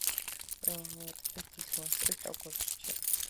ტბეთის მონასტერი ტაო-კლარჯეთშია